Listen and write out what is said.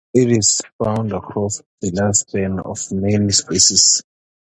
It is found across the lifespan of many species.